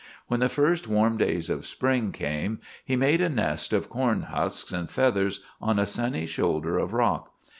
When the first warm days of spring came, he made a nest of corn husks and feathers on a sunny shoulder of rock.